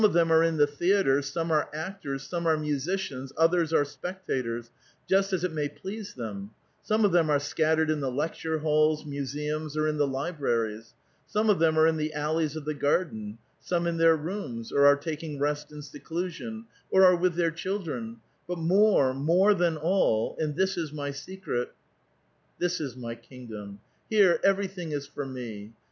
asks the radiant tsaritsa; " the}^ are evei'y where : some of them are in the theatre, some are actors, some are musicians, others are spectators, just as it may please them ; some of them are scattered in the lecture halls, museums, or in the libraries ; some of them are in the alleys of the garden ; some in their rooms, or are taking rest in seclusion, or are with their children ; but more, more than all, and this is mv secret. ..." This is my kingdom. Here everything is forme